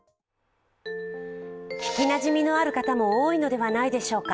聞きなじみのある方も多いのではないでしょうか。